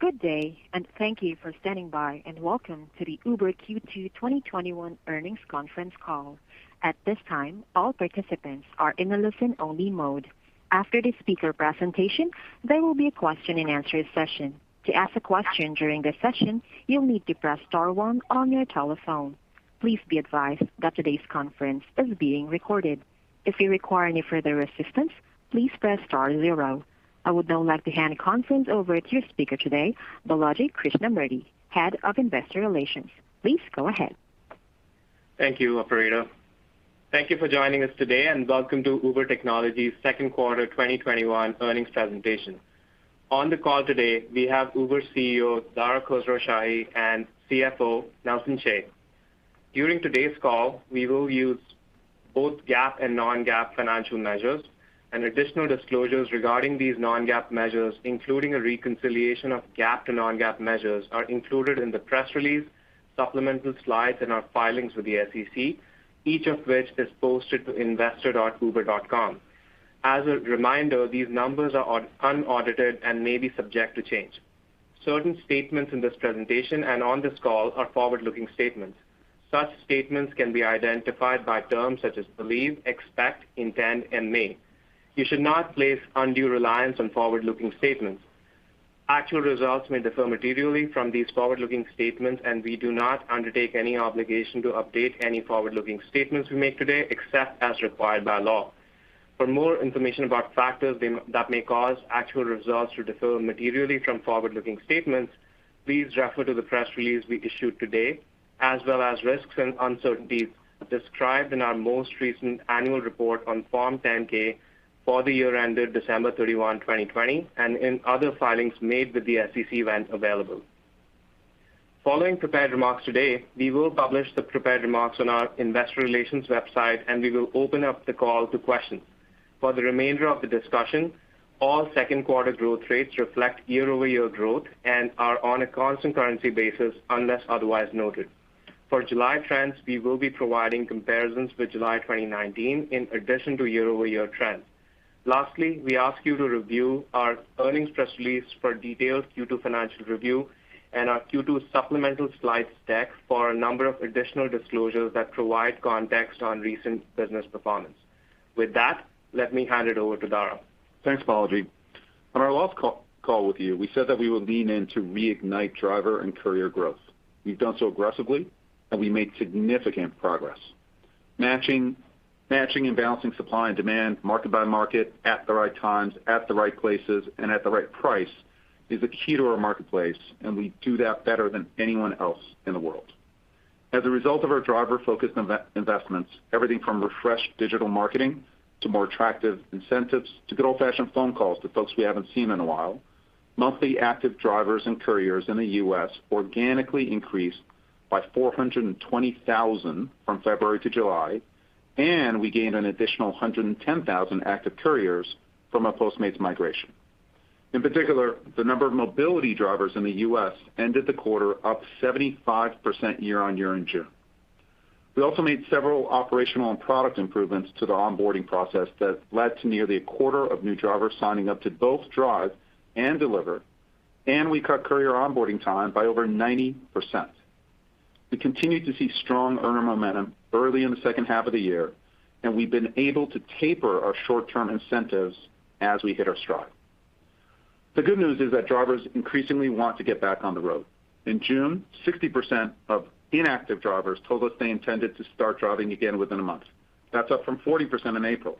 Good day. Thank you for standing by, and welcome to the Uber Q2 2021 earnings conference call. At this time, all participants are in a listen-only mode. After the speaker presentation, there will be a Question-and-Answer session. To ask a question during this session, you'll need to press star one on your telephone. Please be advised that today's conference is being recorded. If you require any further assistance, please press star zero. I would now like to hand the conference over to your speaker today, Balaji Krishnamurthy, Head of Investor Relations. Please go ahead. Thank you, operator. Thank you for joining us today, and welcome to Uber Technologies' second quarter 2021 earnings presentation. On the call today, we have Uber CEO, Dara Khosrowshahi, and CFO, Nelson Chai. During today's call, we will use both GAAP and non-GAAP financial measures, and additional disclosures regarding these non-GAAP measures, including a reconciliation of GAAP to non-GAAP measures, are included in the press release, supplemental slides, and our filings with the SEC, each of which is posted to investor.uber.com. As a reminder, these numbers are unaudited and may be subject to change. Certain statements in this presentation and on this call are forward-looking statements. Such statements can be identified by terms such as believe, expect, intend, and may. You should not place undue reliance on forward-looking statements. Actual results may differ materially from these forward-looking statements, and we do not undertake any obligation to update any forward-looking statements we make today, except as required by law. For more information about factors that may cause actual results to differ materially from forward-looking statements, please refer to the press release we issued today, as well as risks and uncertainties described in our most recent annual report on Form 10-K for the year ended December 31, 2020, and in other filings made with the SEC when available. Following prepared remarks today, we will publish the prepared remarks on our investor relations website, and we will open up the call to questions. For the remainder of the discussion, all second quarter growth rates reflect year-over-year growth and are on a constant currency basis unless otherwise noted. For July trends, we will be providing comparisons with July 2019 in addition to year-over-year trends. Lastly, we ask you to review our earnings press release for details Q2 financial review and our Q2 supplemental slides deck for a number of additional disclosures that provide context on recent business performance. With that, let me hand it over to Dara. Thanks, Balaji. On our last call with you, we said that we would lean in to reignite driver and courier growth. We've done so aggressively, and we made significant progress. Matching and balancing supply and demand, market by market, at the right times, at the right places, and at the right price is a key to our marketplace, and we do that better than anyone else in the world. As a result of our driver-focused investments, everything from refreshed digital marketing to more attractive incentives to good old-fashioned phone calls to folks we haven't seen in a while, monthly active drivers and couriers in the U.S. organically increased by 420,000 from February to July, and we gained an additional 110,000 active couriers from our Postmates migration. In particular, the number of mobility drivers in the U.S. ended the quarter up 75% year-on-year in June. We also made several operational and product improvements to the onboarding process that led to nearly a quarter of new drivers signing up to both drive and deliver. We cut courier onboarding time by over 90%. We continue to see strong earner momentum early in the second half of the year. We've been able to taper our short-term incentives as we hit our stride. The good news is that drivers increasingly want to get back on the road. In June, 60% of inactive drivers told us they intended to start driving again within a month. That's up from 40% in April.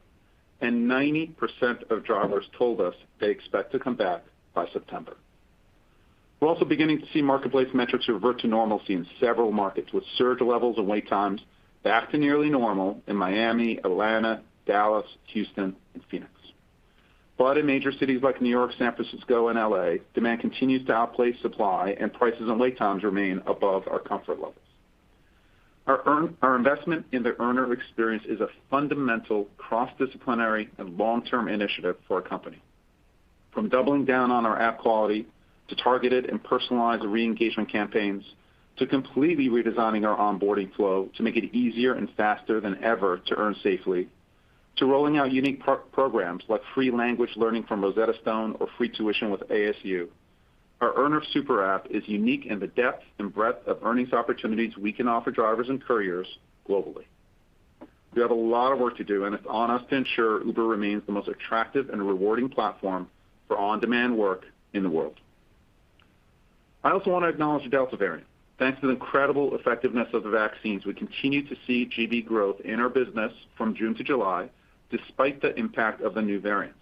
90% of drivers told us they expect to come back by September. We're also beginning to see marketplace metrics revert to normalcy in several markets, with surge levels and wait times back to nearly normal in Miami, Atlanta, Dallas, Houston, and Phoenix. In major cities like New York, San Francisco, and L.A., demand continues to outpace supply and prices and wait times remain above our comfort levels. Our investment in the earner experience is a fundamental cross-disciplinary and long-term initiative for our company. From doubling down on our app quality to targeted and personalized re-engagement campaigns, to completely redesigning our onboarding flow to make it easier and faster than ever to earn safely, to rolling out unique programs like free language learning from Rosetta Stone or free tuition with ASU. Our earner super app is unique in the depth and breadth of earnings opportunities we can offer drivers and couriers globally. We have a lot of work to do, and it's on us to ensure Uber remains the most attractive and rewarding platform for on-demand work in the world. I also want to acknowledge the Delta variant. Thanks to the incredible effectiveness of the vaccines, we continue to see GB growth in our business from June to July, despite the impact of the new variants.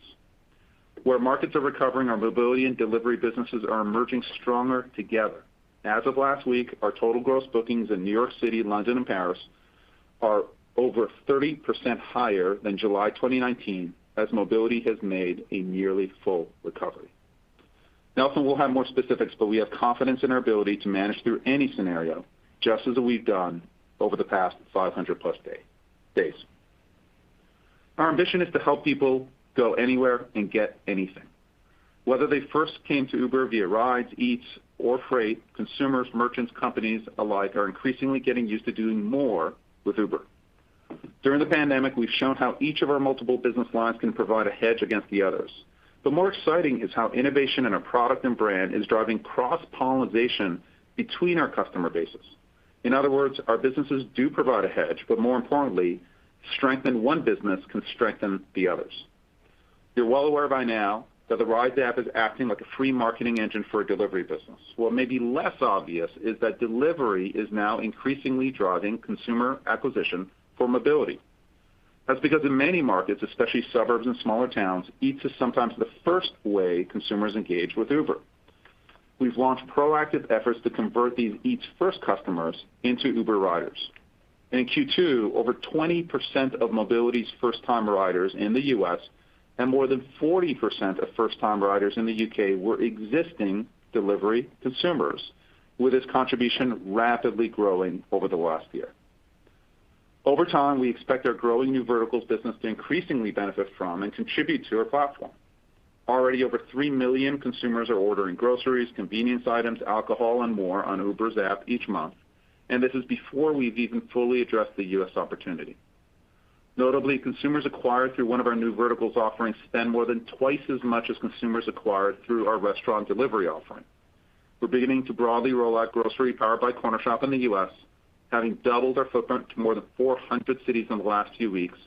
Where markets are recovering, our mobility and delivery businesses are emerging stronger together. As of last week, our total Gross Bookings in New York City, London, and Paris are over 30% higher than July 2019, as mobility has made a nearly full recovery. Nelson will have more specifics, we have confidence in our ability to manage through any scenario, just as we've done over the past 500-plus days. Our ambition is to help people go anywhere and get anything. Whether they first came to Uber via rides, Eats, or Freight, consumers, merchants, companies alike are increasingly getting used to doing more with Uber. During the pandemic, we've shown how each of our multiple business lines can provide a hedge against the others. More exciting is how innovation in our product and brand is driving cross-pollination between our customer bases. In other words, our businesses do provide a hedge, but more importantly, strengthen one business can strengthen the others. You're well aware by now that the Rides app is acting like a free marketing engine for our Delivery business. What may be less obvious is that Delivery is now increasingly driving consumer acquisition for Mobility. That's because in many markets, especially suburbs and smaller towns, Eats is sometimes the first way consumers engage with Uber. We've launched proactive efforts to convert these Eats first customers into Uber riders. In Q2, over 20% of Mobility's first-time riders in the U.S., and more than 40% of first-time riders in the U.K. were existing Delivery consumers, with this contribution rapidly growing over the last year. Over time, we expect our growing new verticals business to increasingly benefit from and contribute to our platform. Already, over 3 million consumers are ordering groceries, convenience items, alcohol, and more on Uber's app each month. This is before we've even fully addressed the U.S. opportunity. Notably, consumers acquired through one of our new verticals offerings spend more than twice as much as consumers acquired through our restaurant delivery offering. We're beginning to broadly roll out grocery powered by Cornershop in the U.S., having doubled our footprint to more than 400 cities in the last few weeks.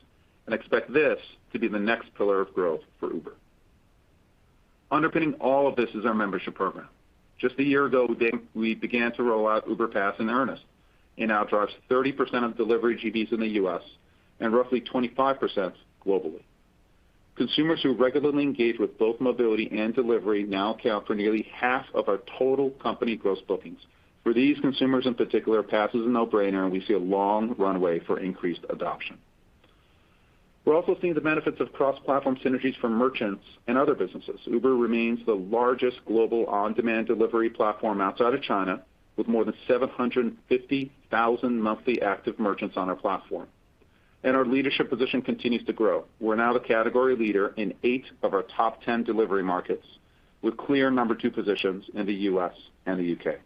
Expect this to be the next pillar of growth for Uber. Underpinning all of this is our membership program. Just a year ago, we began to roll out Uber Pass in earnest. It now drives 30% of Delivery GBs in the U.S. and roughly 25% globally. Consumers who regularly engage with both Mobility and Delivery now account for nearly half of our total company Gross Bookings. For these consumers in particular, Pass is a no-brainer. We see a long runway for increased adoption. We're also seeing the benefits of cross-platform synergies from merchants and other businesses. Uber remains the largest global on-demand delivery platform outside of China, with more than 750,000 monthly active merchants on our platform. Our leadership position continues to grow. We're now the category leader in eight of our top 10 delivery markets, with clear number two positions in the U.S. and the U.K.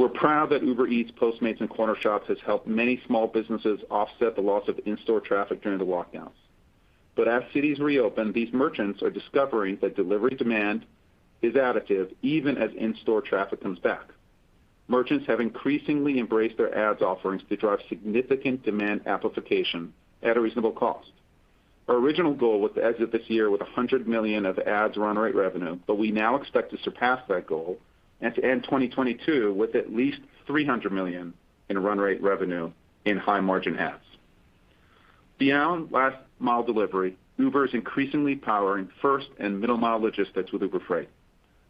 We're proud that Uber Eats, Postmates, and Cornershop has helped many small businesses offset the loss of in-store traffic during the lockdowns. As cities reopen, these merchants are discovering that Delivery demand is additive, even as in-store traffic comes back. Merchants have increasingly embraced our ads offerings to drive significant demand amplification at a reasonable cost. Our original goal was to exit this year with $100 million of ads run rate revenue, but we now expect to surpass that goal and to end 2022 with at least $300 million in run rate revenue in high margin ads. Beyond last mile delivery, Uber is increasingly powering first and middle mile logistics with Uber Freight.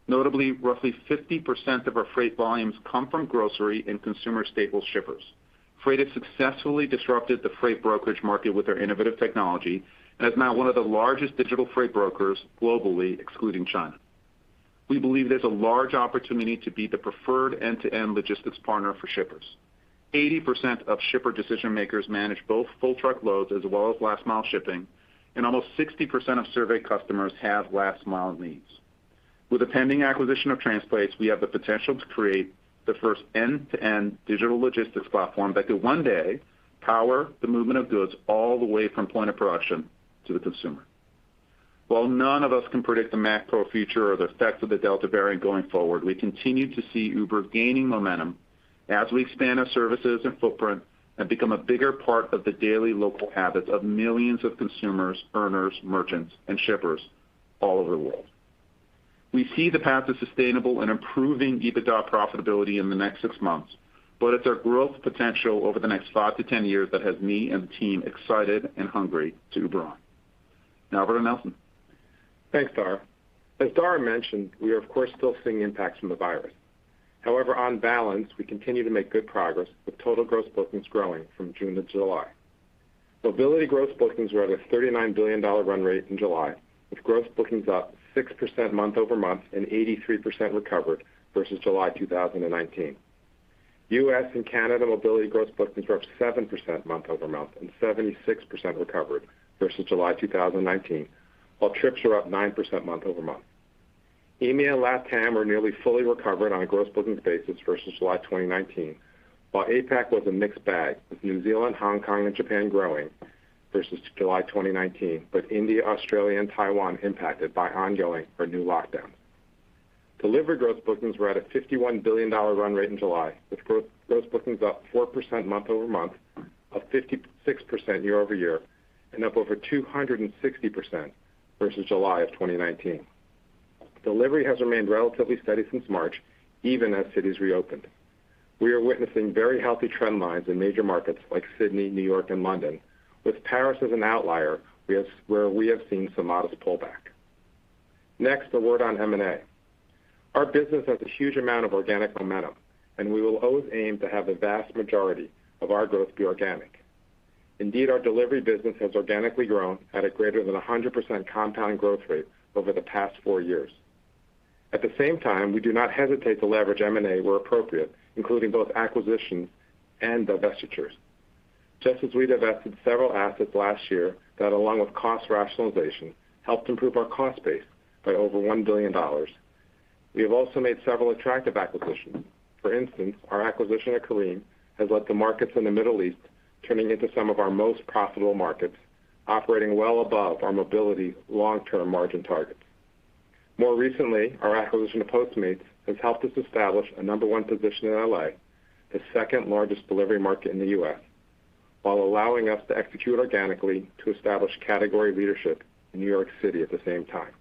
Notably, roughly 50% of our Freight volumes come from grocery and consumer staple shippers. Freight has successfully disrupted the freight brokerage market with our innovative technology and is now one of the largest digital freight brokers globally, excluding China. We believe there's a large opportunity to be the preferred end-to-end logistics partner for shippers. 80% of shipper decision-makers manage both full truckloads as well as last mile shipping, and almost 60% of surveyed customers have last mile needs. With the pending acquisition of Transplace, we have the potential to create the first end-to-end digital logistics platform that could one day power the movement of goods all the way from point of production to the consumer. While none of us can predict the macro future or the effects of the Delta variant going forward, we continue to see Uber gaining momentum as we expand our services and footprint and become a bigger part of the daily local habits of millions of consumers, earners, merchants, and shippers all over the world. We see the path to sustainable and improving EBITDA profitability in the next six months, but it's our growth potential over the next five to 10 years that has me and the team excited and hungry to Uber on. Now over to Nelson. Thanks, Dara. As Dara mentioned, we are of course still seeing impacts from the virus. However, on balance, we continue to make good progress, with total gross bookings growing from June to July. Mobility gross bookings were at a $39 billion run rate in July, with gross bookings up 6% month-over-month and 83% recovered versus July 2019. U.S. and Canada Mobility gross bookings were up 7% month-over-month and 76% recovered versus July 2019. While trips were up 9% month-over-month. EMEA and LatAm are nearly fully recovered on a gross bookings basis versus July 2019. While APAC was a mixed bag, with New Zealand, Hong Kong, and Japan growing versus July 2019, but India, Australia, and Taiwan impacted by ongoing or new lockdowns. Delivery Gross Bookings were at a $51 billion run rate in July, with Gross Bookings up 4% month-over-month, up 56% year-over-year, and up over 260% versus July of 2019. Delivery has remained relatively steady since March, even as cities reopened. We are witnessing very healthy trend lines in major markets like Sydney, New York, and London, with Paris as an outlier, where we have seen some modest pullback. Next, a word on M&A. Our business has a huge amount of organic momentum, and we will always aim to have the vast majority of our growth be organic. Indeed, our Delivery business has organically grown at a greater than 100% compound growth rate over the past four years. At the same time, we do not hesitate to leverage M&A where appropriate, including both acquisitions and divestitures. Just as we divested several assets last year that, along with cost rationalization, helped improve our cost base by over $1 billion. We have also made several attractive acquisitions. For instance, our acquisition of Careem has led the markets in the Middle East, turning into some of our most profitable markets, operating well above our Mobility long-term margin targets. More recently, our acquisition of Postmates has helped us establish a number one position in L.A., the second-largest delivery market in the U.S., while allowing us to execute organically to establish category leadership in New York City at the same time.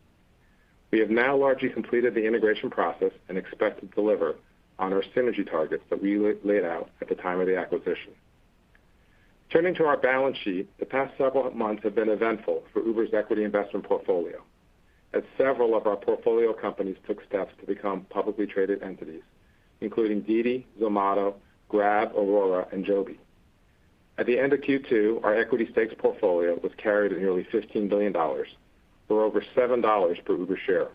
We have now largely completed the integration process and expect to deliver on our synergy targets that we laid out at the time of the acquisition. Turning to our balance sheet, the past several months have been eventful for Uber's equity investment portfolio, as several of our portfolio companies took steps to become publicly traded entities, including DiDi, Zomato, Grab, Aurora, and Joby. At the end of Q2, our equity stakes portfolio was carried at nearly $15 billion, or over $7 per Uber share.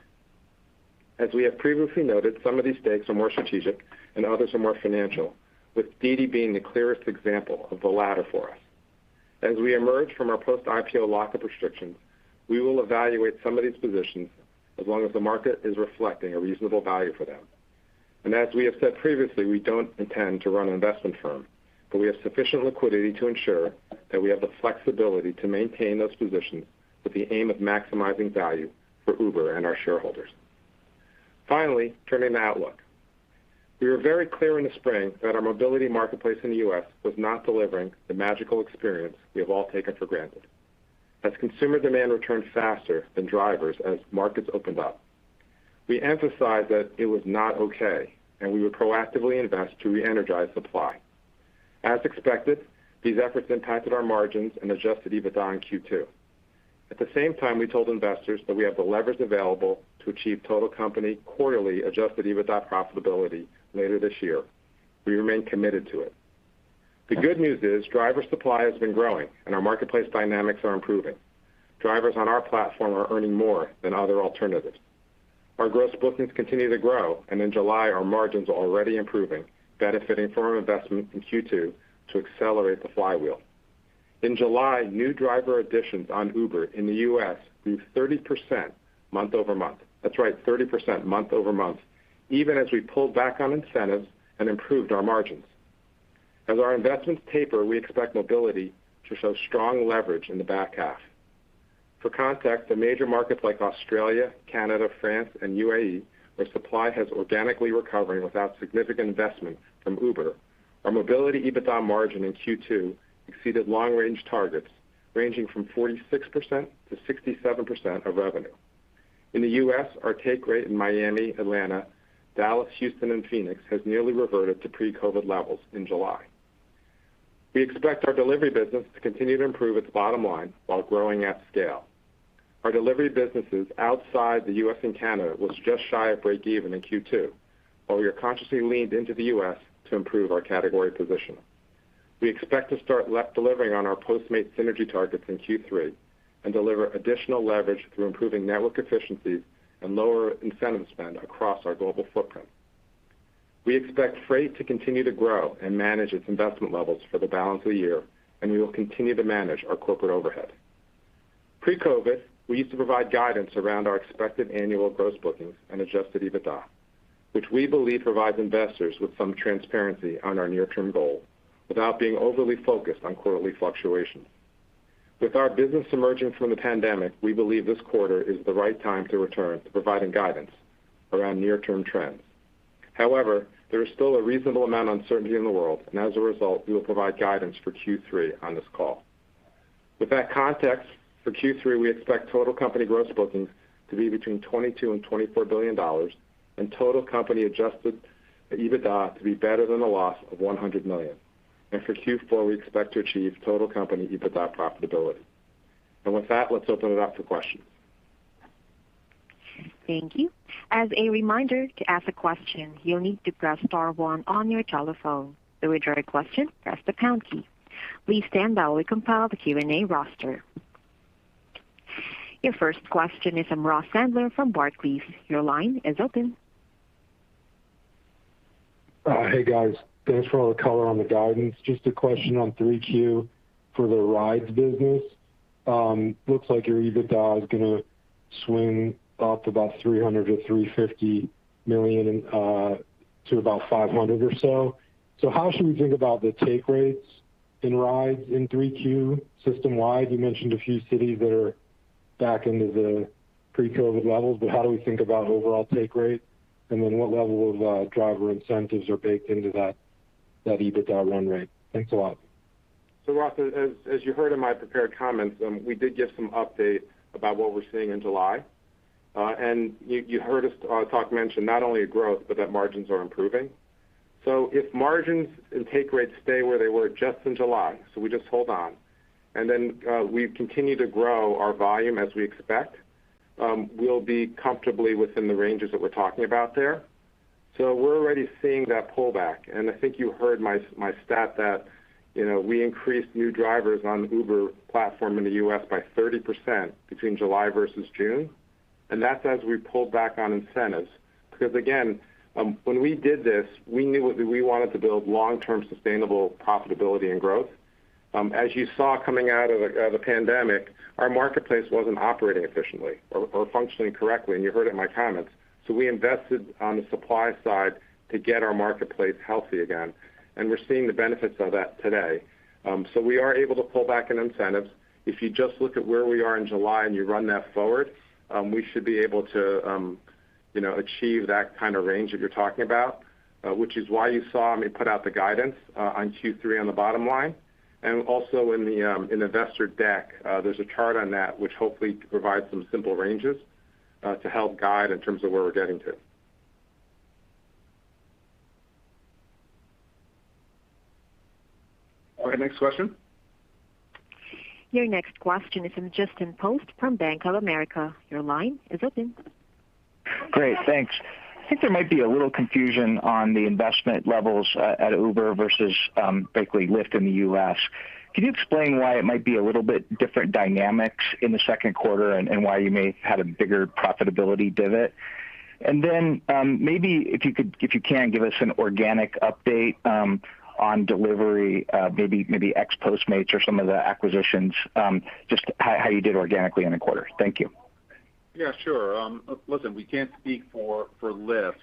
As we have previously noted, some of these stakes are more strategic, and others are more financial, with DiDi being the clearest example of the latter for us. As we emerge from our post-IPO lock-up restrictions, we will evaluate some of these positions as long as the market is reflecting a reasonable value for them. As we have said previously, we don't intend to run an investment firm, but we have sufficient liquidity to ensure that we have the flexibility to maintain those positions with the aim of maximizing value for Uber and our shareholders. Finally, turning to outlook. We were very clear in the spring that our Mobility marketplace in the U.S. was not delivering the magical experience we have all taken for granted. As consumer demand returned faster than drivers as markets opened up, we emphasized that it was not okay, and we would proactively invest to re-energize supply. As expected, these efforts impacted our margins and adjusted EBITDA in Q2. At the same time, we told investors that we have the levers available to achieve total company quarterly adjusted EBITDA profitability later this year. We remain committed to it. The good news is driver supply has been growing, and our marketplace dynamics are improving. Drivers on our platform are earning more than other alternatives. Our Gross Bookings continue to grow. In July, our margins are already improving, benefiting from investment in Q2 to accelerate the flywheel. In July, new driver additions on Uber in the U.S. grew 30% month-over-month. That's right, 30% month-over-month, even as we pulled back on incentives and improved our margins. As our investments taper, we expect Mobility to show strong leverage in the back half. For context, in major markets like Australia, Canada, France, and U.A.E., where supply has organically recovered without significant investment from Uber, our Mobility EBITDA margin in Q2 exceeded long-range targets, ranging from 46%-67% of revenue. In the U.S., our take rate in Miami, Atlanta, Dallas, Houston, and Phoenix has nearly reverted to pre-COVID levels in July. We expect our delivery business to continue to improve its bottom line while growing at scale. Our delivery businesses outside the U.S. and Canada was just shy of break even in Q2, while we are consciously leaned into the U.S. to improve our category position. We expect to start delivering on our Postmates synergy targets in Q3 and deliver additional leverage through improving network efficiencies and lower incentive spend across our global footprint. We expect Freight to continue to grow and manage its investment levels for the balance of the year, and we will continue to manage our corporate overhead. Pre-COVID, we used to provide guidance around our expected annual gross bookings and adjusted EBITDA, which we believe provides investors with some transparency on our near-term goal without being overly focused on quarterly fluctuations. With our business emerging from the pandemic, we believe this quarter is the right time to return to providing guidance around near-term trends. However, there is still a reasonable amount of uncertainty in the world, and as a result, we will provide guidance for Q3 on this call. With that context, for Q3, we expect total company gross bookings to be between $22 billion-$24 billion, and total company adjusted EBITDA to be better than the loss of $100 million. For Q4, we expect to achieve total company EBITDA profitability. With that, let's open it up to questions. Thank you. As a reminder, to ask a question, you'll need to press star one on your telephone. To withdraw your question, press the pound key. Please stand by while we compile the Q&A roster. Your first question is from Ross Sandler from Barclays. Your line is open. Hey, guys. Thanks for all the color on the guidance. Just a question on 3Q for the rides business. Looks like your EBITDA is going to swing up about $300 million-$350 million to about $500 million or so. How should we think about the take rates in rides in 3Q system-wide? You mentioned a few cities that are back into the pre-COVID levels, but how do we think about overall take rate? What level of driver incentives are baked into that EBITDA run rate? Thanks a lot. Ross, as you heard in my prepared comments, we did give some update about what we're seeing in July. You heard us talk, mention not only growth, but that margins are improving. If margins and take rates stay where they were just in July, so we just hold on, and then we continue to grow our volume as we expect, we'll be comfortably within the ranges that we're talking about there. We're already seeing that pullback. I think you heard my stat that we increased new drivers on the Uber platform in the U.S. by 30% between July versus June. That's as we pulled back on incentives. Because again, when we did this, we knew we wanted to build long-term sustainable profitability and growth. As you saw coming out of the pandemic, our marketplace wasn't operating efficiently or functioning correctly, and you heard it in my comments. We invested on the supply side to get our marketplace healthy again, and we're seeing the benefits of that today. We are able to pull back on incentives. If you just look at where we are in July and you run that forward, we should be able to achieve that kind of range that you're talking about, which is why you saw me put out the guidance on Q3 on the bottom line. Also in the investor deck, there's a chart on that which hopefully provides some simple ranges to help guide in terms of where we're getting to. All right, next question. Your next question is from Justin Post from Bank of America. Your line is open. Great, thanks. I think there might be a little confusion on the investment levels at Uber versus, basically, Lyft in the U.S. Can you explain why it might be a little bit different dynamics in the second quarter, and why you may have had a bigger profitability divot? Maybe if you can, give us an organic update on delivery, maybe ex Postmates or some of the acquisitions, just how you did organically in the quarter. Thank you. Yeah, sure. Listen, we can't speak for Lyft,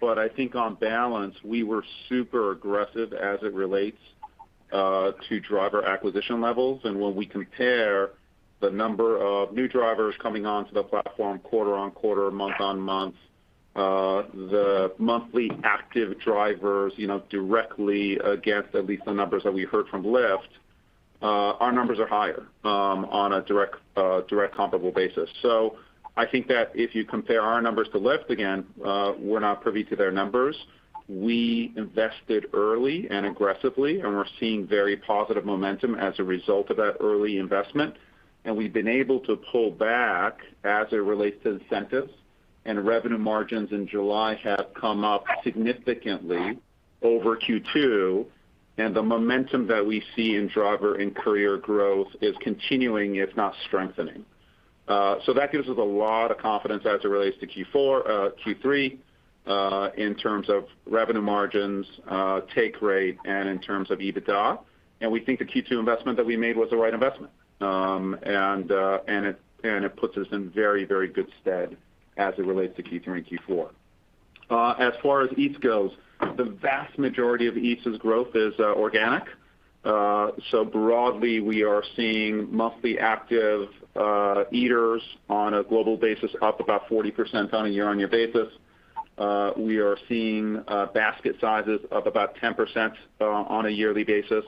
but I think on balance, we were super aggressive as it relates to driver acquisition levels. When we compare the number of new drivers coming onto the platform quarter-on-quarter, month-on-month, the monthly active drivers directly against at least the numbers that we heard from Lyft, our numbers are higher on a direct comparable basis. I think that if you compare our numbers to Lyft, again, we're not privy to their numbers. We invested early and aggressively, and we're seeing very positive momentum as a result of that early investment. We've been able to pull back as it relates to incentives, and revenue margins in July have come up significantly over Q2, and the momentum that we see in driver and courier growth is continuing, if not strengthening. That gives us a lot of confidence as it relates to Q3 in terms of revenue margins, take rate, and in terms of EBITDA. We think the Q2 investment that we made was the right investment. It puts us in very, very good stead as it relates to Q3 and Q4. As far as Eats goes, the vast majority of Eats' growth is organic. Broadly, we are seeing monthly active eaters on a global basis up about 40% on a year-on-year basis. We are seeing basket sizes up about 10% on a yearly basis.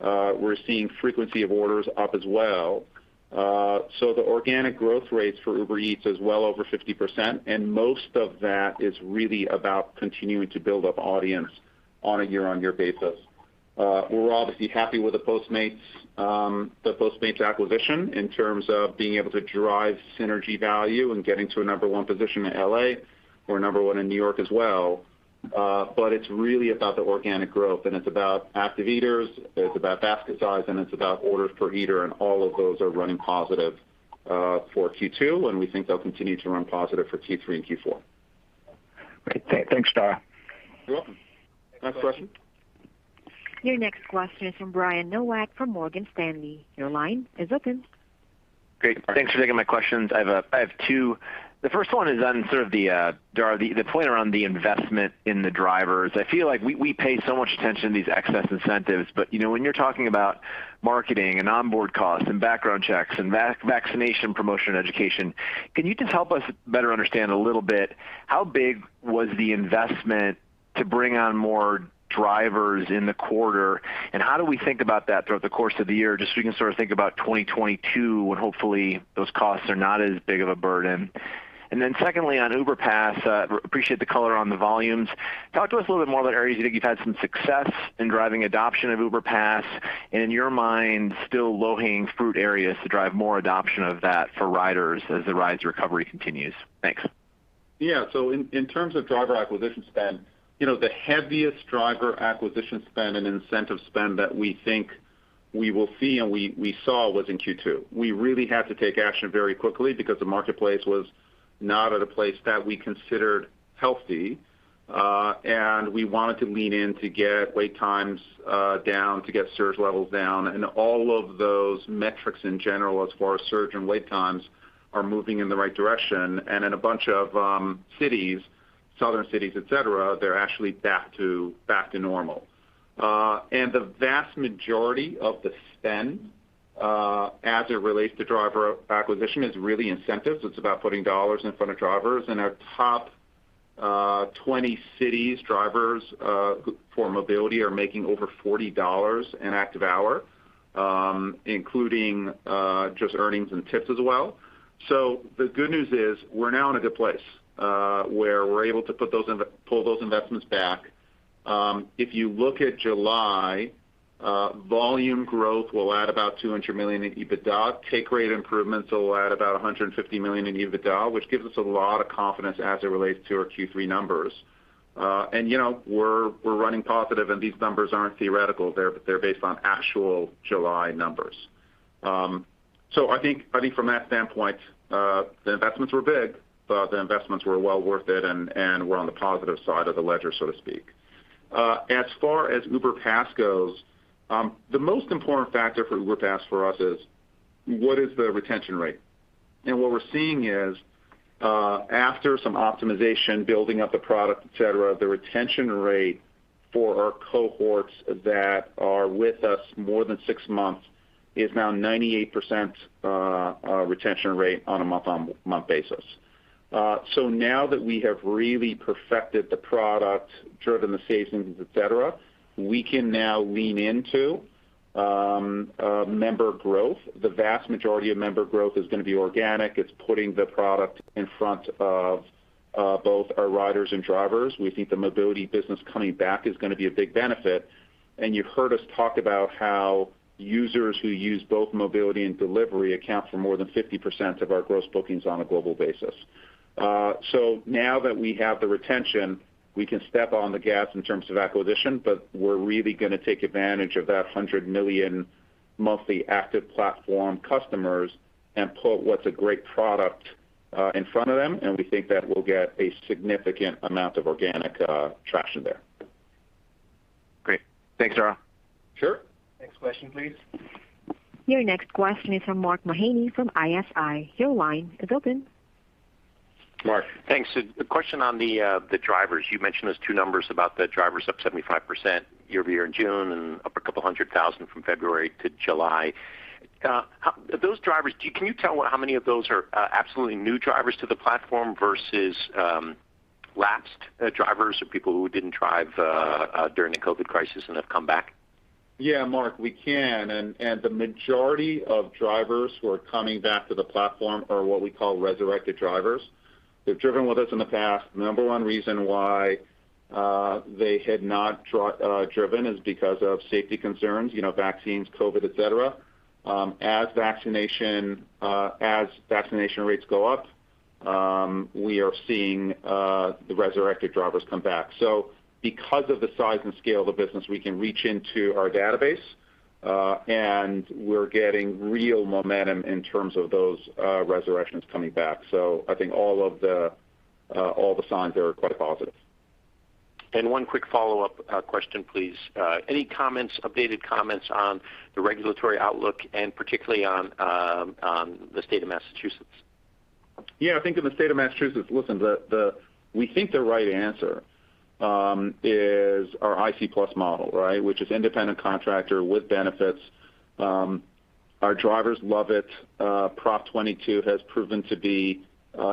We're seeing frequency of orders up as well. The organic growth rates for Uber Eats is well over 50%, and most of that is really about continuing to build up audience on a year-on-year basis. We're obviously happy with the Postmates acquisition in terms of being able to drive synergy value and getting to a number one position in L.A. We're number one in New York as well. It's really about the organic growth, and it's about active eaters, it's about basket size, and it's about orders per eater, and all of those are running positive for Q2, and we think they'll continue to run positive for Q3 and Q4. Great. Thanks, Dara. You're welcome. Next question. Your next question is from Brian Nowak from Morgan Stanley. Your line is open. Great. Thanks for taking my questions. I have two. The first one is on sort of, Dara, the point around the investment in the drivers. I feel like we pay so much attention to these excess incentives, but when you're talking about marketing and onboard costs and background checks and vaccination promotion education, can you just help us better understand a little bit how big was the investment to bring on more drivers in the quarter, and how do we think about that throughout the course of the year, just so we can sort of think about 2022 when hopefully those costs are not as big of a burden? Secondly, on Uber Pass, appreciate the color on the volumes. Talk to us a little bit more about areas you think you've had some success in driving adoption of Uber Pass, and in your mind, still low-hanging fruit areas to drive more adoption of that for riders as the rides recovery continues. Thanks. Yeah. In terms of driver acquisition spend, the heaviest driver acquisition spend and incentive spend that we think we will see and we saw was in Q2. We really had to take action very quickly because the marketplace was not at a place that we considered healthy, and we wanted to lean in to get wait times down, to get surge levels down, and all of those metrics in general as far as surge and wait times are moving in the right direction. In a bunch of cities, southern cities, et cetera, they're actually back to normal. The vast majority of the spend, as it relates to driver acquisition, is really incentives. It's about putting dollars in front of drivers. In our top 20 cities, drivers for mobility are making over $40 an active hour, including just earnings and tips as well. The good news is we're now in a good place, where we're able to pull those investments back. If you look at July, volume growth will add about $200 million in EBITDA. Take rate improvements will add about $150 million in EBITDA, which gives us a lot of confidence as it relates to our Q3 numbers. We're running positive, and these numbers aren't theoretical. They're based on actual July numbers. I think from that standpoint, the investments were big, but the investments were well worth it and were on the positive side of the ledger, so to speak. As far as Uber Pass goes, the most important factor for Uber Pass for us is, what is the retention rate? What we're seeing is, after some optimization, building up the product, et cetera, the retention rate for our cohorts that are with us more than six months is now 98% retention rate on a month-on-month basis. Now that we have really perfected the product, driven the savings, et cetera, we can now lean into member growth. The vast majority of member growth is going to be organic. It's putting the product in front of both our riders and drivers. We think the mobility business coming back is going to be a big benefit, and you've heard us talk about how users who use both mobility and delivery account for more than 50% of our Gross Bookings on a global basis. Now that we have the retention, we can step on the gas in terms of acquisition, but we're really going to take advantage of that 100 million monthly active platform customers and put what's a great product in front of them, and we think that we'll get a significant amount of organic traction there. Great. Thanks, Dara. Sure. Next question, please. Your next question is from Mark Mahaney from ISI. Your line is open. Mark. Thanks. A question on the drivers. You mentioned those two numbers about the drivers up 75% year-over-year in June and up 200,000 from February to July. Those drivers, can you tell how many of those are absolutely new drivers to the platform versus lapsed drivers or people who didn't drive during the COVID crisis and have come back? Yeah, Mark, we can. The majority of drivers who are coming back to the platform are what we call resurrected drivers. They've driven with us in the past. Number one reason why they had not driven is because of safety concerns, vaccines, COVID, et cetera. As vaccination rates go up, we are seeing the resurrected drivers come back. Because of the size and scale of the business, we can reach into our database, and we're getting real momentum in terms of those resurrections coming back. I think all the signs are quite positive. One quick follow-up question, please. Any comments, updated comments on the regulatory outlook and particularly on the state of Massachusetts? I think in the state of Massachusetts, listen, we think the right answer is our IC Plus model, right? Which is independent contractor with benefits. Our drivers love it. Proposition 22 has proven to be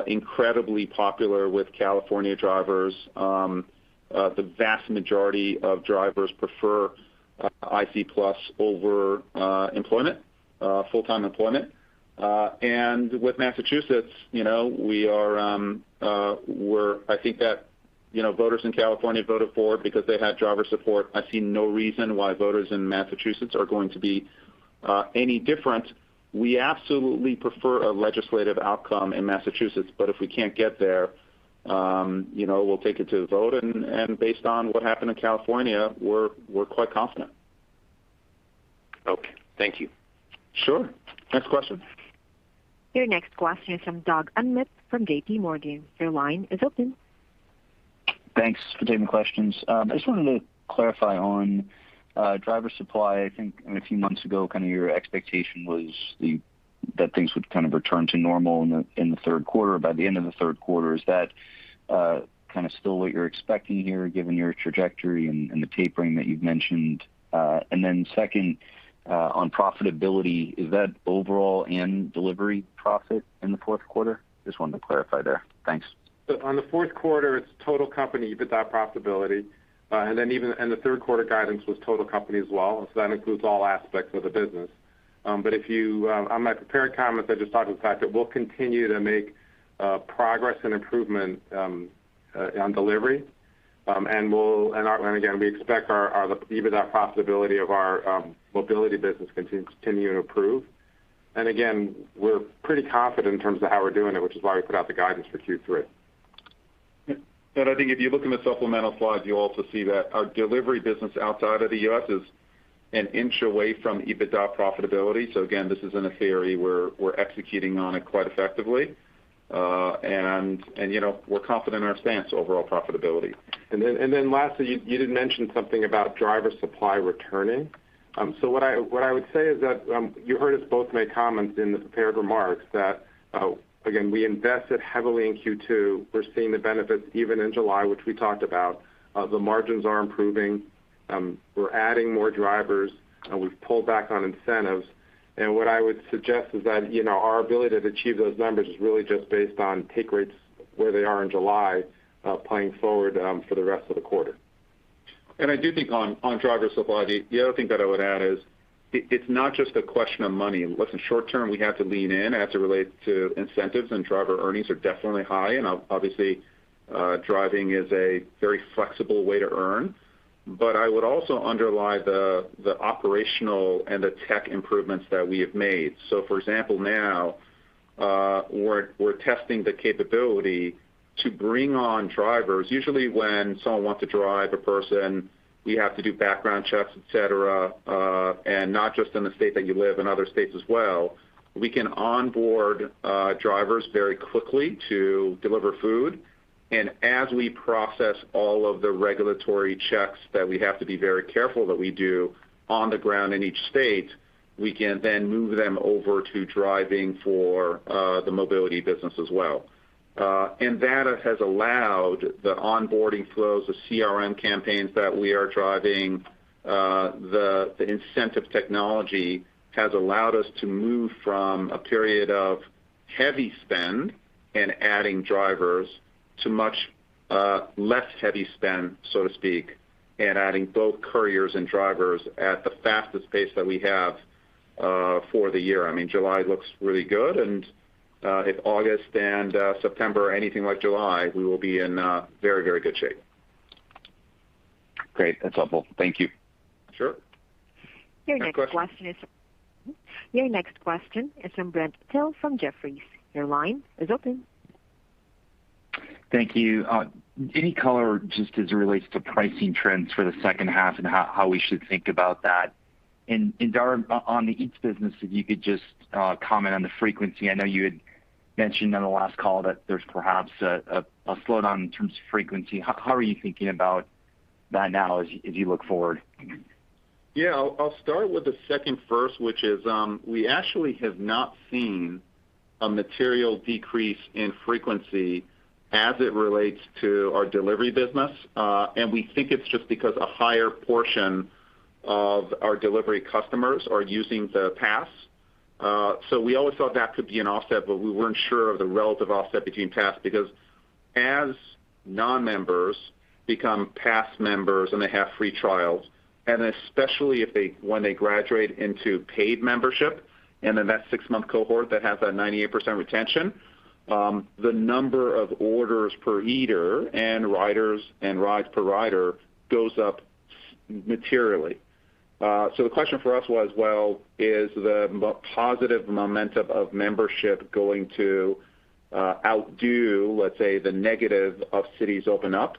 incredibly popular with California drivers. The vast majority of drivers prefer IC Plus over employment, full-time employment. With Massachusetts, I think that voters in California voted for it because they had driver support. I see no reason why voters in Massachusetts are going to be any different. We absolutely prefer a legislative outcome in Massachusetts, but if we can't get there, we'll take it to a vote, and based on what happened in California, we're quite confident. Okay. Thank you. Sure. Next question. Your next question is from Doug Anmuth from JPMorgan. Your line is open. Thanks for taking the questions. I just wanted to clarify on driver supply. I think in a few months ago, kind of your expectation was that things would kind of return to normal in the third quarter, by the end of the third quarter. Is that kind of still what you're expecting here, given your trajectory and the tapering that you've mentioned? Second, on profitability, is that overall and delivery profit in the fourth quarter? Just wanted to clarify there. Thanks. On the fourth quarter, it's total company EBITDA profitability. The third quarter guidance was total company as well. That includes all aspects of the business. On my prepared comments, I just talked about the fact that we'll continue to make progress and improvement on delivery. Again, we expect our EBITDA profitability of our mobility business to continue to improve. Again, we're pretty confident in terms of how we're doing it, which is why we put out the guidance for Q3. I think if you look in the supplemental slides, you'll also see that our delivery business outside of the U.S. is an inch away from EBITDA profitability. Again, this isn't a theory. We're executing on it quite effectively. We're confident in our stance overall profitability. Then lastly, you did mention something about driver supply returning. What I would say is that, you heard us both make comments in the prepared remarks that, again, we invested heavily in Q2. We're seeing the benefits even in July, which we talked about. The margins are improving. We're adding more drivers, and we've pulled back on incentives. What I would suggest is that our ability to achieve those numbers is really just based on take rates where they are in July, playing forward for the rest of the quarter. I do think on driver supply, the other thing that I would add is, it's not just a question of money. Listen, short term, we have to lean in, as it relates to incentives, and driver earnings are definitely high, and obviously, driving is a very flexible way to earn. I would also underline the operational and the tech improvements that we have made. For example, now we're testing the capability to bring on drivers. Usually, when someone wants to drive a person, we have to do background checks, et cetera, and not just in the state that you live, in other states as well. We can onboard drivers very quickly to deliver food, and as we process all of the regulatory checks that we have to be very careful that we do on the ground in each state, we can then move them over to driving for the mobility business as well. That has allowed the onboarding flows, the CRM campaigns that we are driving, the incentive technology has allowed us to move from a period of heavy spend in adding drivers to much less heavy spend, so to speak, in adding both couriers and drivers at the fastest pace that we have for the year. July looks really good, and if August and September are anything like July, we will be in very good shape. Great. That's helpful. Thank you. Sure. Your next question is. Next question? Your next question is from Brent Thill from Jefferies. Your line is open. Thank you. Any color just as it relates to pricing trends for the second half and how we should think about that? Dara, on the Uber Eats business, if you could just comment on the frequency. I know you had mentioned on the last call that there's perhaps a slowdown in terms of frequency. How are you thinking about that now as you look forward? Yeah. I'll start with the second first, which is, we actually have not seen a material decrease in frequency as it relates to our delivery business. We think it's just because a higher portion of our delivery customers are using the Pass. We always thought that could be an offset, but we weren't sure of the relative offset between Pass, because as non-members become Pass members and they have free trials, and especially when they graduate into paid membership, and then that six-month cohort that has that 98% retention, the number of orders per eater and riders and rides per rider goes up materially. The question for us was, well, is the positive momentum of membership going to outdo, let's say, the negative of cities open up?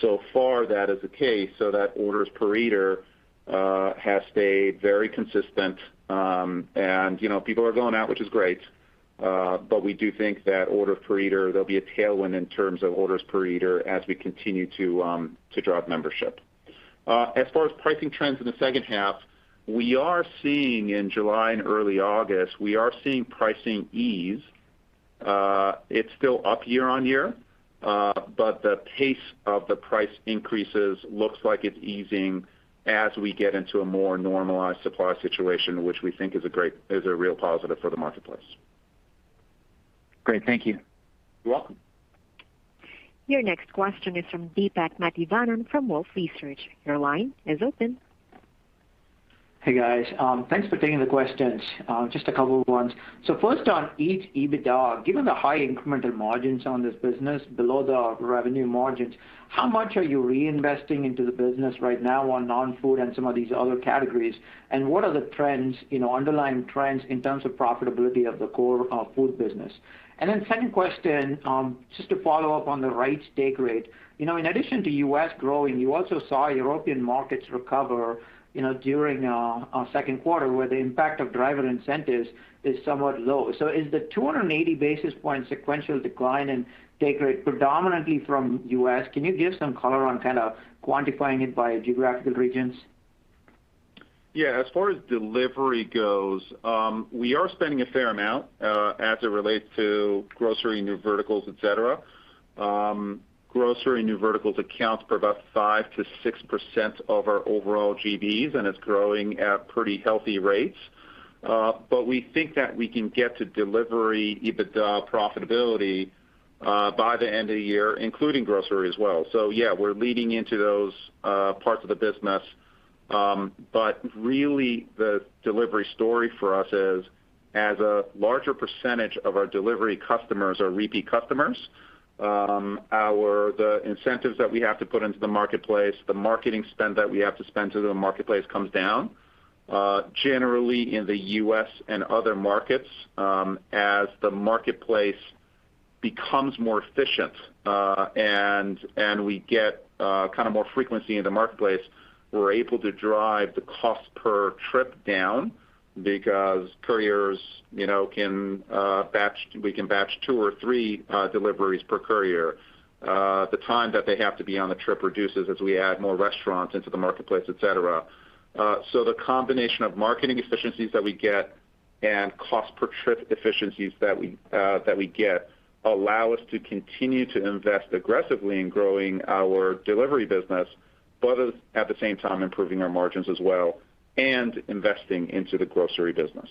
So far, that is the case, so that orders per eater has stayed very consistent. People are going out, which is great, but we do think that order per eater, there'll be a tailwind in terms of orders per eater as we continue to drive membership. As far as pricing trends in the second half, we are seeing in July and early August, we are seeing pricing ease. It's still up year-over-year, but the pace of the price increases looks like it's easing as we get into a more normalized supply situation, which we think is a real positive for the marketplace. Great. Thank you. You're welcome. Your next question is from Deepak Mathivanan from Wolfe Research. Your line is open. Hey, guys. Thanks for taking the questions. Just a couple of ones. First on Eats EBITDA, given the high incremental margins on this business below the revenue margins, how much are you reinvesting into the business right now on non-food and some of these other categories? What are the underlying trends in terms of profitability of the core food business? Then second question, just to follow up on the rides take rate. In addition to U.S. growing, you also saw European markets recover during second quarter where the impact of driver incentives is somewhat low. Is the 280 basis point sequential decline in take rate predominantly from U.S.? Can you give some color on kind of quantifying it by geographical regions? Yeah. As far as delivery goes, we are spending a fair amount, as it relates to grocery, new verticals, et cetera. Grocery, new verticals accounts for about 5%-6% of our overall GBs. It's growing at pretty healthy rates. We think that we can get to delivery EBITDA profitability by the end of the year, including grocery as well. Yeah, we're leading into those parts of the business. Really, the delivery story for us is, as a larger percentage of our delivery customers are repeat customers, the incentives that we have to put into the marketplace, the marketing spend that we have to spend to the marketplace comes down. Generally, in the U.S. and other markets, as the marketplace becomes more efficient, and we get kind of more frequency in the marketplace, we're able to drive the cost per trip down because we can batch two or three deliveries per courier. The time that they have to be on the trip reduces as we add more restaurants into the marketplace, et cetera. The combination of marketing efficiencies that we get and cost per trip efficiencies that we get allow us to continue to invest aggressively in growing our delivery business, but at the same time, improving our margins as well and investing into the grocery business.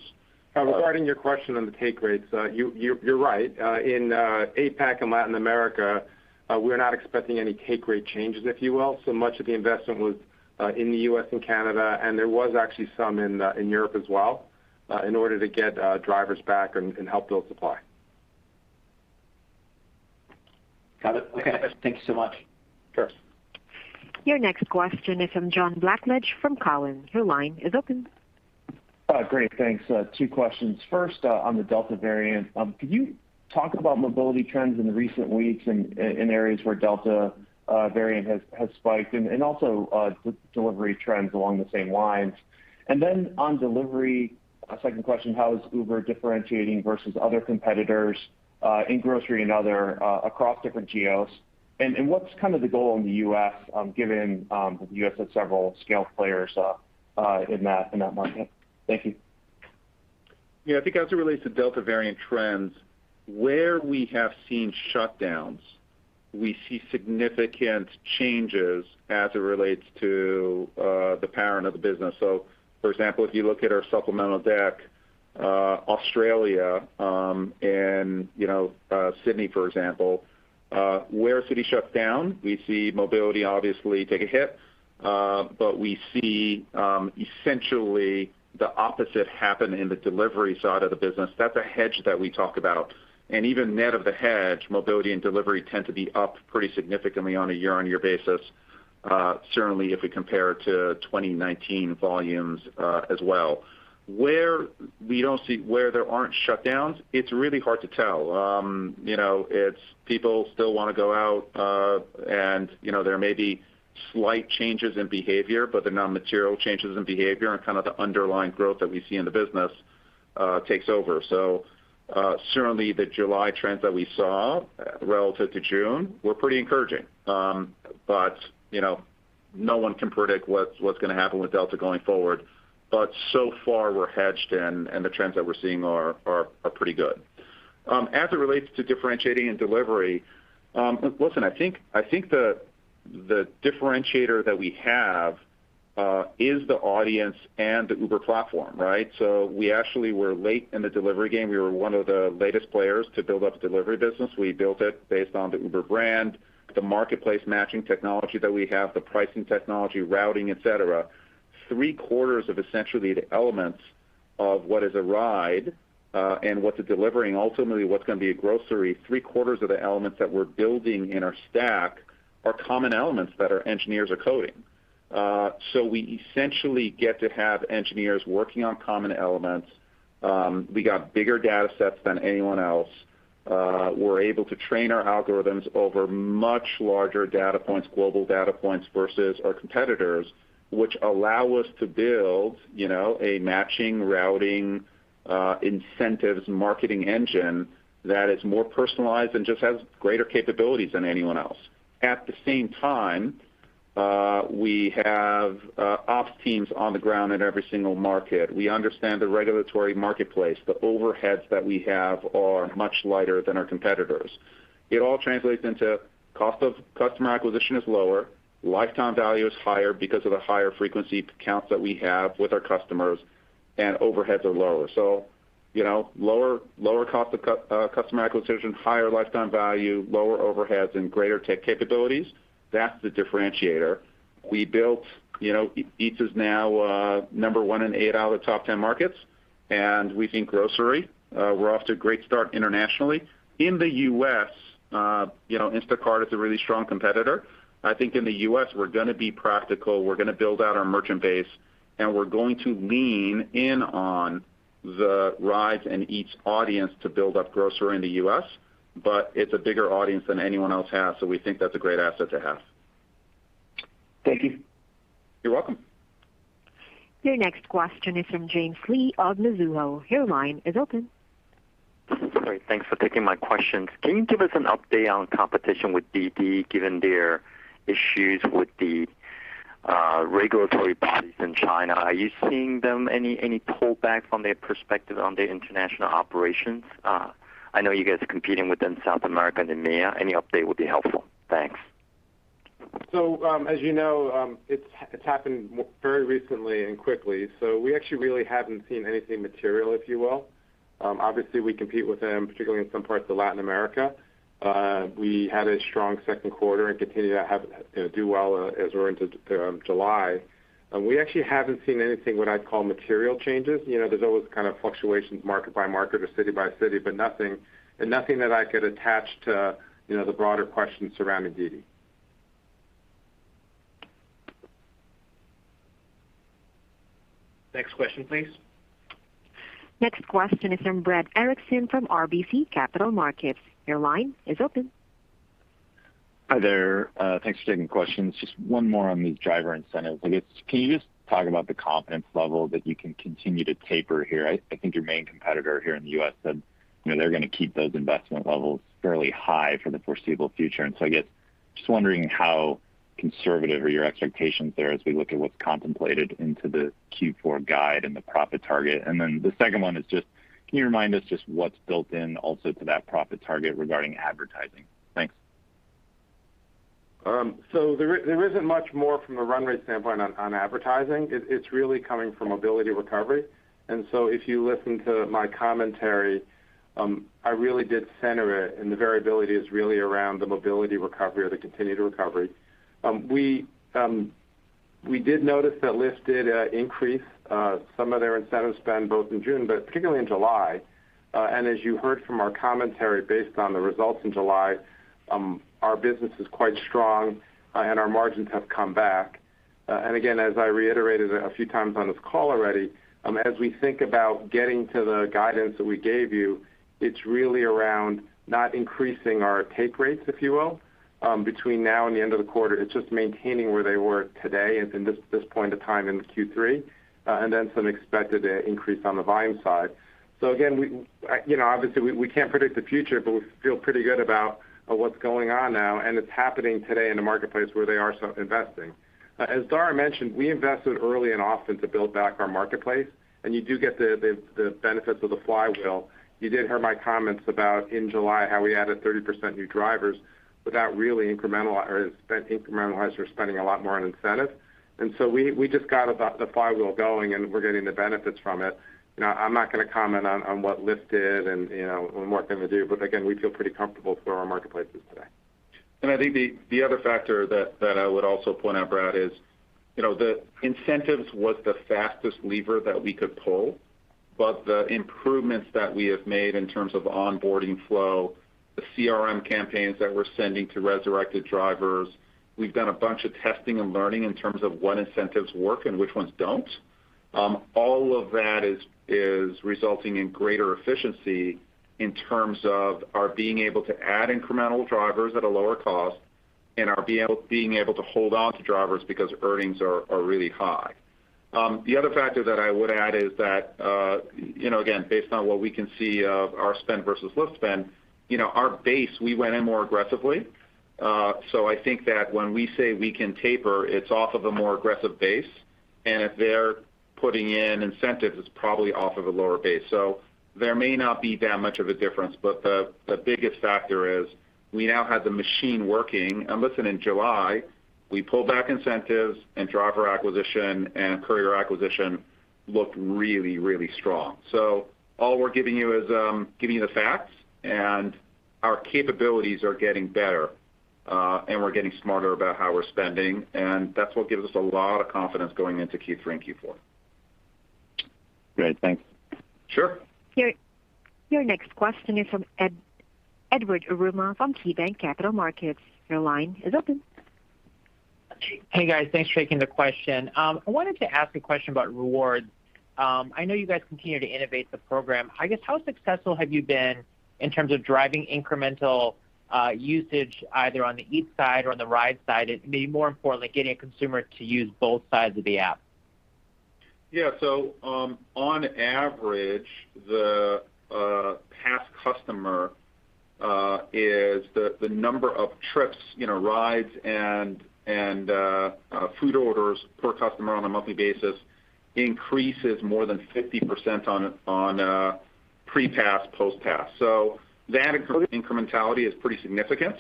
Regarding your question on the take rates, you're right. In APAC and Latin America, we're not expecting any take rate changes, if you will. Much of the investment was in the U.S. and Canada, and there was actually some in Europe as well, in order to get drivers back and help build supply. Got it. Okay. Got it? Thanks so much. Sure. Your next question is from John Blackledge from Cowen. Your line is open. Great, thanks. Two questions. First, on the Delta variant, could you talk about mobility trends in the recent weeks and in areas where Delta variant has spiked and also delivery trends along the same lines? On delivery, second question, how is Uber differentiating versus other competitors, in grocery and other, across different geos, and what's the goal in the U.S., given, the U.S. has several scale players in that market? Thank you. Yeah, I think as it relates to Delta variant trends, where we have seen shutdowns, we see significant changes as it relates to the parent of the business. For example, if you look at our supplemental deck, Australia, and Sydney, for example, where city shut down, we see mobility obviously take a hit. We see, essentially the opposite happen in the delivery side of the business. That's a hedge that we talk about. Even net of the hedge, mobility and delivery tend to be up pretty significantly on a year-on-year basis, certainly if we compare to 2019 volumes as well. Where there aren't shutdowns, it's really hard to tell. People still want to go out, and there may be slight changes in behavior, but they're not material changes in behavior, and the underlying growth that we see in the business takes over. Certainly, the July trends that we saw relative to June were pretty encouraging. No one can predict what's going to happen with Delta going forward. So far, we're hedged and the trends that we're seeing are pretty good. As it relates to differentiating and delivery, listen, I think the differentiator that we have, is the audience and the Uber platform, right? We actually were late in the delivery game. We were one of the latest players to build up delivery business. We built it based on the Uber brand, the marketplace matching technology that we have, the pricing technology, routing, et cetera. Three quarters of essentially the elements of what is a ride, and what the delivering, ultimately what's going to be a grocery, three quarters of the elements that we're building in our stack are common elements that our engineers are coding. We essentially get to have engineers working on common elements. We got bigger data sets than anyone else. We're able to train our algorithms over much larger data points, global data points versus our competitors, which allow us to build a matching, routing, incentives, marketing engine that is more personalized and just has greater capabilities than anyone else. At the same time, we have ops teams on the ground in every single market. We understand the regulatory marketplace. The overheads that we have are much lighter than our competitors. It all translates into cost of customer acquisition is lower, lifetime value is higher because of the higher frequency counts that we have with our customers, and overheads are lower. Lower cost of customer acquisition, higher lifetime value, lower overheads, and greater tech capabilities, that's the differentiator. Eats is now number one in eight out of the top 10 markets. We think grocery, we're off to a great start internationally. In the U.S., Instacart is a really strong competitor. I think in the U.S. we're going to be practical. We're going to build out our merchant base. We're going to lean in on the rides and Eats audience to build up grocery in the U.S. It's a bigger audience than anyone else has. We think that's a great asset to have. Thank you. You're welcome. Your next question is from James Lee of Mizuho. Your line is open. Sorry, thanks for taking my questions. Can you give us an update on competition with DiDi, given their issues with the regulatory bodies in China? Are you seeing them, any pullback from their perspective on their international operations? I know you guys are competing with them in South America and EMEA. Any update would be helpful. Thanks. As you know, it's happened very recently and quickly, so we actually really haven't seen anything material, if you will. Obviously, we compete with them, particularly in some parts of Latin America. We had a strong second quarter and continue to do well as we're into July. We actually haven't seen anything what I'd call material changes. There's always fluctuations market by market or city by city, but nothing that I could attach to the broader question surrounding DiDi. Next question, please. Next question is from Brad Erickson from RBC Capital Markets. Your line is open. Hi there. Thanks for taking the questions. Just one more on the driver incentives. I guess, can you just talk about the confidence level that you can continue to taper here? I think your main competitor here in the U.S. said they're going to keep those investment levels fairly high for the foreseeable future. I guess, just wondering how conservative are your expectations there as we look at what's contemplated into the Q4 guide and the profit target. The second one is just, can you remind us just what's built in also to that profit target regarding advertising? Thanks. There isn't much more from a run rate standpoint on advertising. It's really coming from mobility recovery. If you listen to my commentary, I really did center it, and the variability is really around the mobility recovery or the continued recovery. We did notice that Lyft did increase some of their incentive spend both in June, but particularly in July. As you heard from our commentary, based on the results in July, our business is quite strong, and our margins have come back. Again, as I reiterated a few times on this call already, as we think about getting to the guidance that we gave you, it's really around not increasing our take rates, if you will, between now and the end of the quarter. It's just maintaining where they were today and at this point of time into Q3, and then some expected increase on the volume side. Again, obviously, we can't predict the future, but we feel pretty good about what's going on now, and it's happening today in the marketplace where they are investing. As Dara mentioned, we invested early and often to build back our marketplace, you do get the benefits of the flywheel. You did hear my comments about in July how we added 30% new drivers without really incrementalizing or spending a lot more on incentives. We just got the flywheel going, and we're getting the benefits from it. I'm not going to comment on what Lyft did and what they going to do. Again, we feel pretty comfortable where our marketplace is today. I think the other factor that I would also point out, Brad, is the incentives was the fastest lever that we could pull. The improvements that we have made in terms of onboarding flow, the CRM campaigns that we're sending to resurrected drivers, we've done a bunch of testing and learning in terms of what incentives work and which ones don't. All of that is resulting in greater efficiency in terms of our being able to add incremental drivers at a lower cost and our being able to hold on to drivers because earnings are really high. The other factor that I would add is that, again, based on what we can see of our spend versus Lyft's spend, our base, we went in more aggressively. I think that when we say we can taper, it's off of a more aggressive base. If they're putting in incentives, it's probably off of a lower base. There may not be that much of a difference, but the biggest factor is we now have the machine working. Listen, in July, we pulled back incentives and driver acquisition and courier acquisition looked really, really strong. All we're giving you is giving you the facts, and our capabilities are getting better. We're getting smarter about how we're spending, and that's what gives us a lot of confidence going into Q3 and Q4. Great. Thanks. Sure. Your next question is from Edward Yruma from KeyBanc Capital Markets. Your line is open. Hey, guys. Thanks for taking the question. I wanted to ask a question about rewards. I know you guys continue to innovate the program. I guess how successful have you been in terms of driving incremental usage, either on the Eat side or on the ride side, and maybe more importantly, getting a consumer to use both sides of the app? Yeah. On average, the Pass customer is the number of trips, rides, and food orders per customer on a monthly basis increases more than 50% on pre-Pass, post-Pass. That incrementality is pretty significant.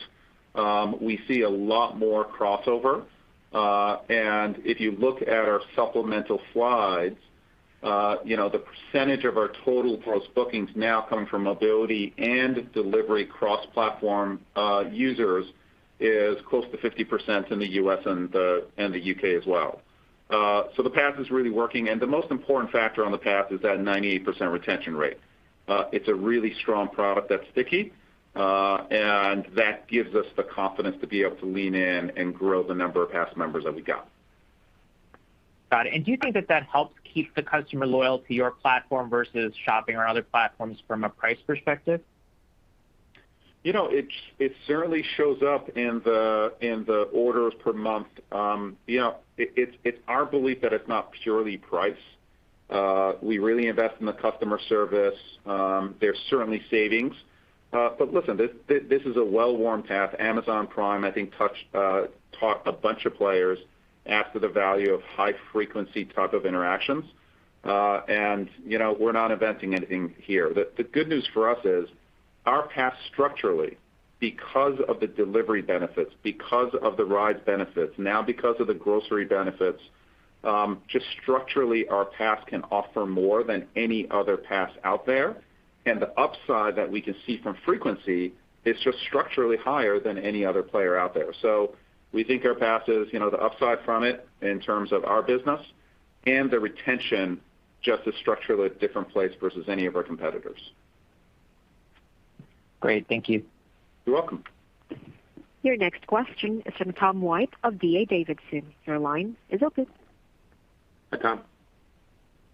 We see a lot more crossover. If you look at our supplemental slides, the percentage of our total Gross Bookings now coming from mobility and delivery cross-platform users is close to 50% in the U.S. and the U.K. as well. The Pass is really working, and the most important factor on the Pass is that 98% retention rate. It's a really strong product that's sticky, and that gives us the confidence to be able to lean in and grow the number of Pass members that we got. Got it. Do you think that that helps keep the customer loyal to your platform versus shopping on other platforms from a price perspective? It certainly shows up in the orders per month. It's our belief that it's not purely price. We really invest in the customer service. There's certainly savings. Listen, this is a well-worn path. Amazon Prime, I think, taught a bunch of players after the value of high-frequency type of interactions. We're not inventing anything here. The good news for us is our Pass structurally, because of the delivery benefits, because of the rides benefits, now because of the grocery benefits, just structurally, our Pass can offer more than any other Pass out there. The upside that we can see from frequency is just structurally higher than any other player out there. We think our Pass is, the upside from it in terms of our business and the retention, just a structurally different place versus any of our competitors. Great. Thank you. You're welcome. Your next question is from Tom White of D.A. Davidson. Your line is open. Hi,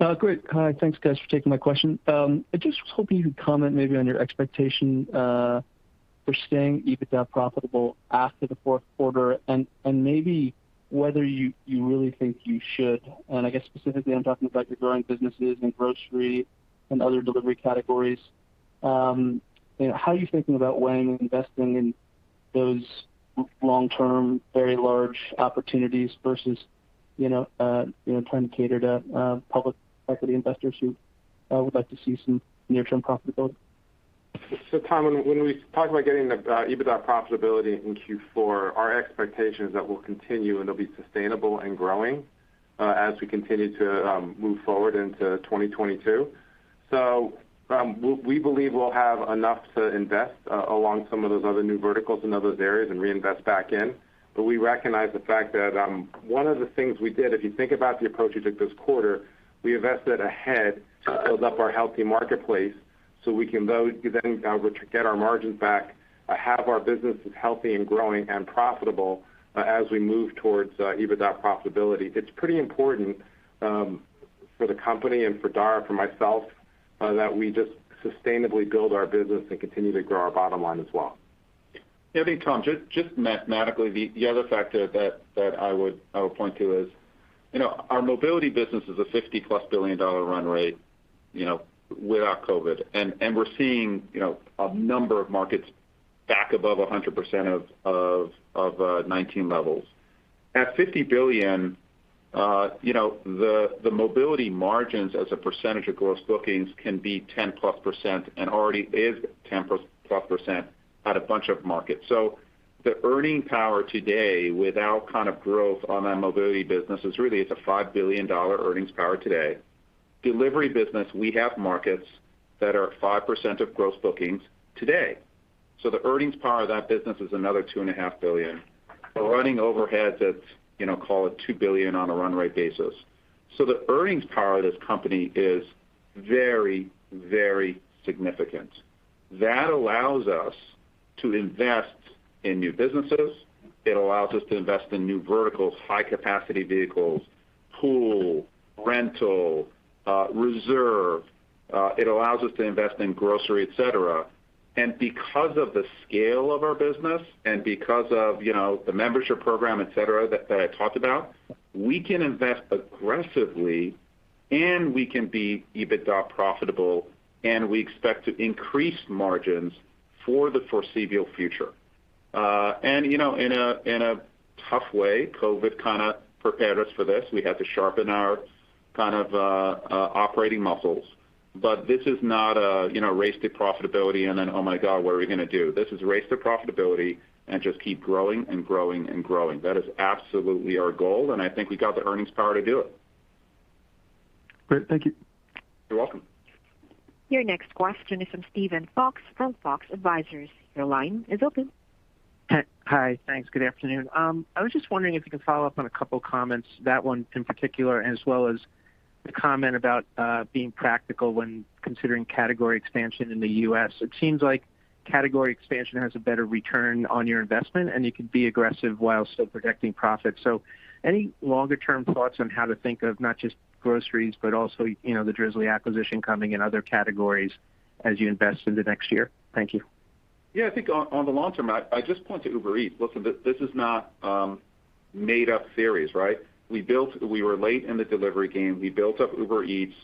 Tom. Great. Thanks, guys, for taking my question. I just was hoping you could comment maybe on your expectation for staying EBITDA profitable after the fourth quarter, and maybe whether you really think you should. I guess specifically, I'm talking about your growing businesses in grocery and other delivery categories. How are you thinking about weighing investing in those long-term, very large opportunities versus trying to cater to public equity investors who would like to see some near-term profitability? Tom, when we talk about getting the EBITDA profitability in Q4, our expectation is that we'll continue, and it'll be sustainable and growing as we continue to move forward into 2022. We believe we'll have enough to invest along some of those other new verticals in other areas and reinvest back in. We recognize the fact that one of the things we did, if you think about the approach we took this quarter, we invested ahead to build up our healthy marketplace so we can both then get our margins back, have our businesses healthy and growing and profitable as we move towards EBITDA profitability. It's pretty important for the company and for Dara, for myself, that we just sustainably build our business and continue to grow our bottom line as well. I think, Tom, just mathematically, the other factor that I would point to is, our mobility business is a $50+ billion run rate, without COVID. We're seeing a number of markets back above 100% of '19 levels. At $50 billion, the mobility margins as a percentage of Gross Bookings can be 10%+ and already is 10%+ at a bunch of markets. The earning power today without growth on that mobility business is really, it's a $5 billion earnings power today. Delivery business, we have markets that are 5% of Gross Bookings today. The earnings power of that business is another $2.5 billion. A running overhead that's, call it, $2 billion on a run rate basis. The earnings power of this company is very, very significant. That allows us to invest in new businesses. It allows us to invest in new verticals, high-capacity vehicles, pool, rental, reserve. It allows us to invest in grocery, et cetera. Because of the scale of our business and because of the membership program, et cetera, that I talked about, we can invest aggressively, and we can be EBITDA profitable, and we expect to increase margins for the foreseeable future. In a tough way, COVID prepared us for this. We had to sharpen our operating muscles. This is not a race to profitability and then, oh my God, what are we going to do? This is a race to profitability and just keep growing and growing and growing. That is absolutely our goal, and I think we got the earnings power to do it. Great. Thank you. You're welcome. Your next question is from Steven Fox from Fox Advisors. Your line is open. Hi. Thanks. Good afternoon. I was just wondering if you could follow up on a couple comments, that one in particular, as well as the comment about being practical when considering category expansion in the U.S. It seems like category expansion has a better return on your investment, and you can be aggressive while still protecting profits. Any longer-term thoughts on how to think of not just groceries, but also, the Drizly acquisition coming and other categories as you invest in the next year? Thank you. I think on the long term, I just point to Uber Eats. Listen, this is not made-up theories, right? We were late in the delivery game. We built up Uber Eats,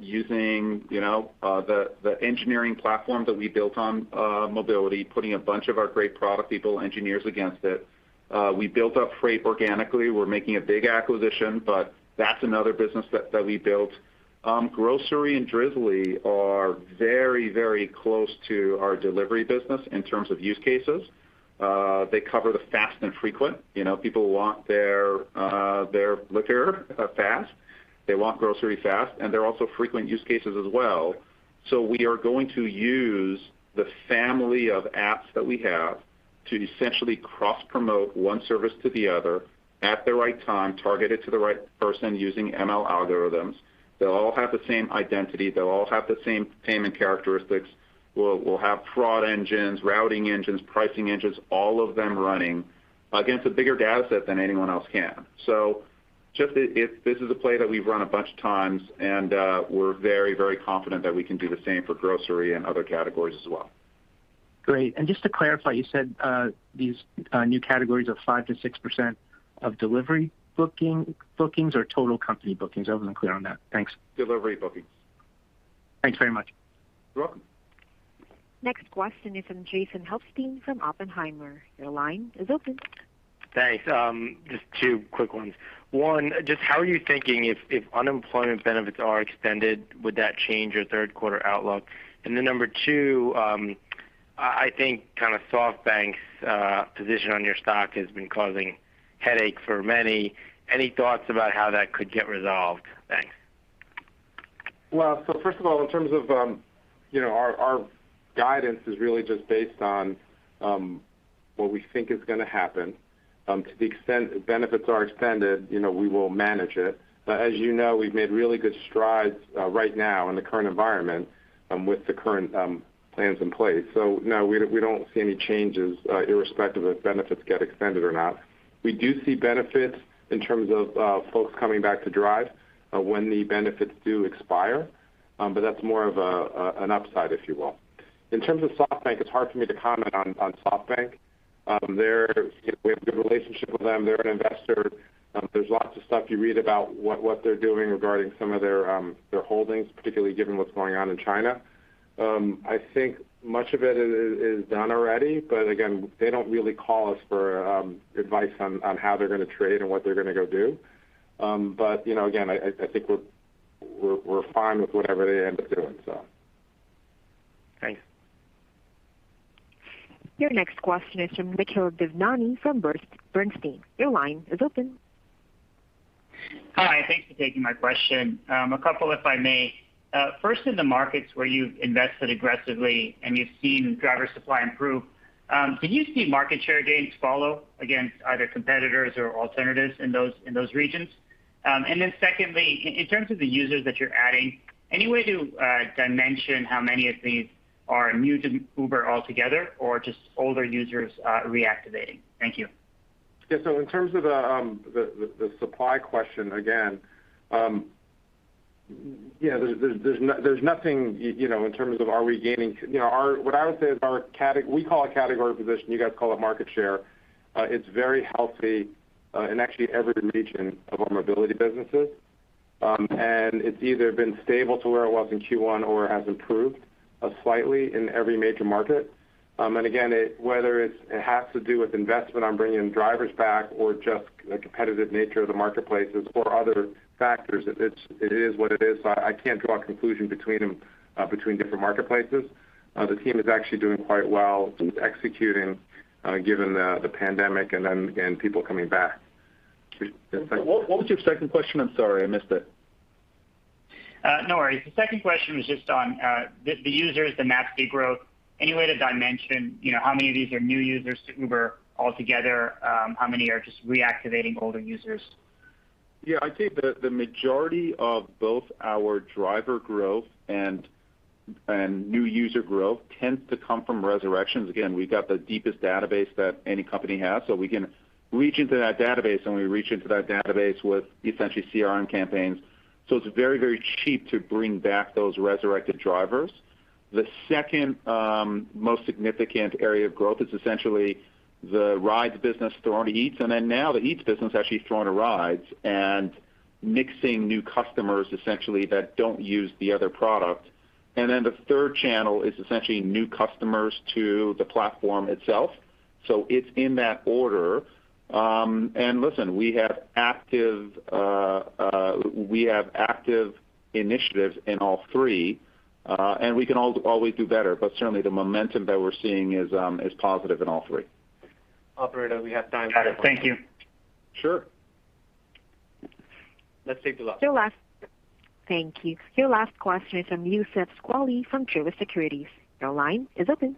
using the engineering platform that we built on mobility, putting a bunch of our great product people, engineers against it. We built up Freight organically. We're making a big acquisition, that's another business that we built. Grocery and Drizly are very, very close to our delivery business in terms of use cases. They cover the fast and frequent. People want their liquor fast, they want grocery fast, they're also frequent use cases as well. We are going to use the family of apps that we have to essentially cross-promote one service to the other at the right time, targeted to the right person using ML algorithms. They'll all have the same identity. They'll all have the same payment characteristics. We'll have fraud engines, routing engines, pricing engines, all of them running against a bigger data set than anyone else can. Just this is a play that we've run a bunch of times, and we're very, very confident that we can do the same for grocery and other categories as well. Great. Just to clarify, you said these new categories are 5%-6% of delivery bookings or total company bookings? I wasn't clear on that. Thanks. Delivery bookings. Thanks very much. You're welcome. Next question is from Jason Helfstein from Oppenheimer. Your line is open. Thanks. Just two quick ones. One, just how are you thinking if unemployment benefits are extended, would that change your third quarter outlook? Number two, I think SoftBank's position on your stock has been causing headaches for many. Any thoughts about how that could get resolved? Thanks. First of all, in terms of our guidance is really just based on what we think is going to happen. To the extent benefits are extended, we will manage it. As you know, we've made really good strides right now in the current environment, with the current plans in place. No, we don't see any changes, irrespective if benefits get extended or not. We do see benefits in terms of folks coming back to drive when the benefits do expire, that's more of an upside, if you will. In terms of SoftBank, it's hard for me to comment on SoftBank. We have a good relationship with them. They're an investor. There's lots of stuff you read about what they're doing regarding some of their holdings, particularly given what's going on in China. I think much of it is done already, but again, they don't really call us for advice on how they're going to trade and what they're going to go do. Again, I think we're fine with whatever they end up doing. Thanks. Your next question is from Nikhil Devnani from Bernstein. Your line is open. Hi. Thanks for taking my question. A couple if I may. First, in the markets where you've invested aggressively and you've seen driver supply improve, do you see market share gains follow against either competitors or alternatives in those regions? Secondly, in terms of the users that you're adding, any way to dimension how many of these are new to Uber altogether or just older users reactivating? Thank you. Yeah. In terms of the supply question, again, there's nothing in terms of are we gaining. What I would say is, we call it category position, you guys call it market share. It's very healthy in actually every region of our mobility businesses. It's either been stable to where it was in Q1 or has improved slightly in every major market. Again, whether it has to do with investment on bringing drivers back or just the competitive nature of the marketplaces or other factors, it is what it is. I can't draw a conclusion between different marketplaces. The team is actually doing quite well in executing given the pandemic and people coming back. What was your second question? I'm sorry, I missed it. No worries. The second question was just on the users, the MAU speed growth. Any way to dimension how many of these are new users to Uber altogether? How many are just reactivating older users? Yeah, I'd say the majority of both our driver growth and new user growth tends to come from resurrections. Again, we've got the deepest database that any company has, so we can reach into that database, and we reach into that database with essentially CRM campaigns. It's very, very cheap to bring back those resurrected drivers. The second most significant area of growth is essentially the rides business throwing to Eats, and then now the Eats business actually throwing to rides and mixing new customers, essentially, that don't use the other product. The third channel is essentially new customers to the platform itself. It's in that order. Listen, we have active initiatives in all three. We can always do better, but certainly the momentum that we're seeing is positive in all three. Operator, Thank you. Sure. Let's take the last. Your last. Thank you. Your last question is from Youssef Squali from Truist Securities. Your line is open.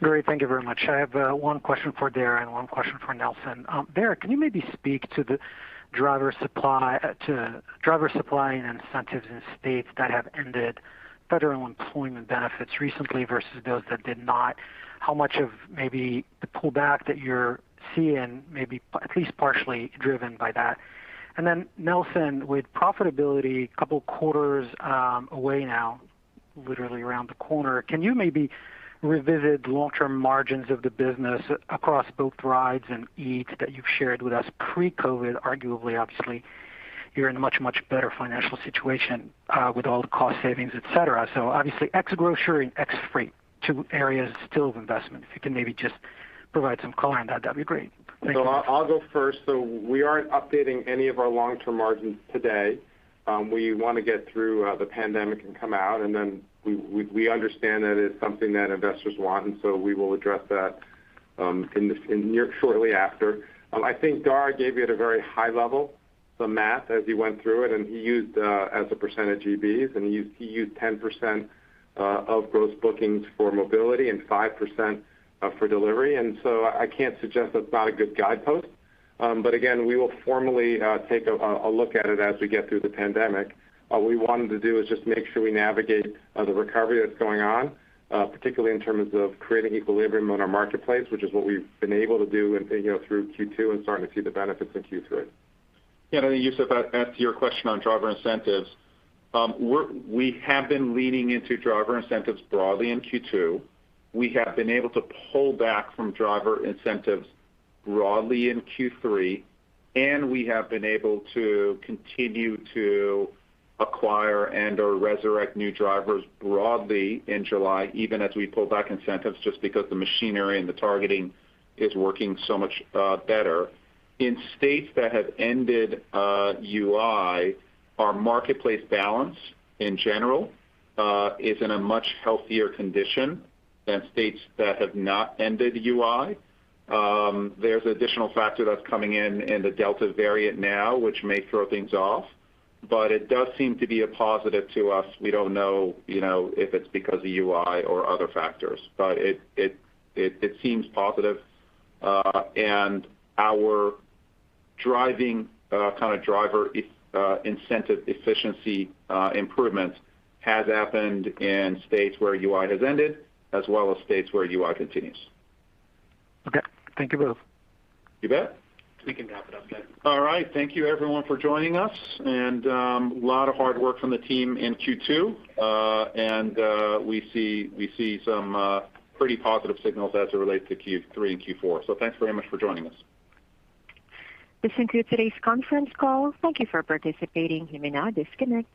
Great. Thank you very much. I have one question for Dara and one question for Nelson. Dara, can you maybe speak to driver supply and incentives in states that have ended federal employment benefits recently versus those that did not? How much of maybe the pullback that you're seeing may be at least partially driven by that? Nelson, with profitability a couple of quarters away now, literally around the corner, can you maybe revisit long-term margins of the business across both Rides and Eats that you've shared with us pre-COVID? Arguably, obviously, you're in a much, much better financial situation with all the cost savings, et cetera. obviously, ex grocery and ex freight, two areas still of investment. If you can maybe just provide some color on that'd be great. Thank you. I'll go first. We aren't updating any of our long-term margins today. We want to get through the pandemic and come out. Then we understand that it's something that investors want. So, we will address that shortly after. I think Dara gave you at a very high level the math as he went through it. He used, as a percentage, GBs, and he used 10% of Gross Bookings for mobility and 5% for delivery. I can't suggest that's not a good guidepost. Again, we will formally take a look at it as we get through the pandemic. What we wanted to do is just make sure we navigate the recovery that's going on, particularly in terms of creating equilibrium in our marketplace, which is what we've been able to do through Q2 and starting to see the benefits in Q3. Youssef, to your question on driver incentives, we have been leaning into driver incentives broadly in Q2. We have been able to pull back from driver incentives broadly in Q3, and we have been able to continue to acquire and/or resurrect new drivers broadly in July, even as we pull back incentives, just because the machinery and the targeting is working so much better. In states that have ended UI, our marketplace balance, in general, is in a much healthier condition than states that have not ended UI. There's an additional factor that's coming in in the Delta variant now, which may throw things off. It does seem to be a positive to us. We don't know if it's because of UI or other factors, it seems positive. Our driving driver incentive efficiency improvements has happened in states where UI has ended, as well as states where UI continues. Okay. Thank you both. You bet. We can wrap it up then. All right. Thank you everyone for joining us. A lot of hard work from the team in Q2. We see some pretty positive signals as it relates to Q3 and Q4. Thanks very much for joining us. Listen to today's conference call. Thank you for participating. You may now disconnect.